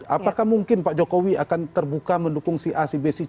apakah mungkin pak jokowi akan terbuka mendukung si a si b si c